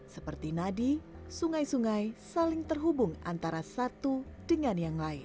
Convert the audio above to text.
seperti nadi sungai sungai saling terhubung antara satu dengan yang lain